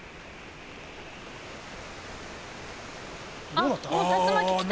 あっもう竜巻来た。